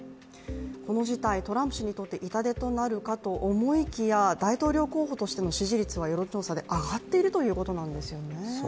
この事態、トランプ氏にとって痛手となるかと思いきや大統領候補としての支持率は世論調査で上がっているということなんですね